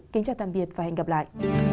kính chào tạm biệt và hẹn gặp lại